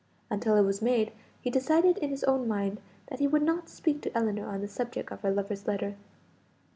Until it was made, he decided in his own mind that he would not speak to Ellinor on the subject of her lover's letter.